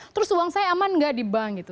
terus uang saya aman nggak di bank gitu